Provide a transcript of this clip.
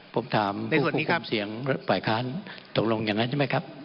ผมถามผู้คุมเสียงปล่อยค้านตรงลงอย่างนั้นใช่ไหมครับ